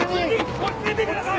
落ち着いてください！